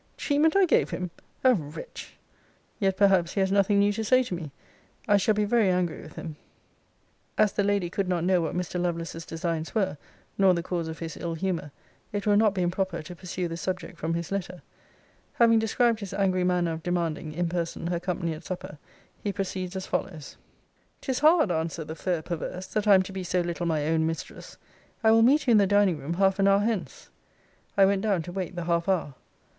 Treatment I gave him! a wretch! Yet perhaps he has nothing new to say to me. I shall be very angry with him. [As the Lady could not know what Mr. Lovelace's designs were, nor the cause of his ill humour, it will not be improper to pursue the subject from his letter. Having described his angry manner of demanding, in person, her company at supper, he proceeds as follows:] ''Tis hard, answered the fair perverse, that I am to be so little my own mistress. I will meet you in the dining room half an hour hence. 'I went down to wait the half hour.